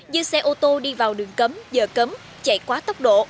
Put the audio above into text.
như xe ô tô đi vào đường cấm giờ cấm chạy quá tốc độ